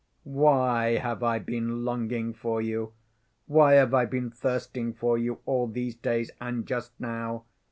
Why have I been longing for you? Why have I been thirsting for you all these days, and just now?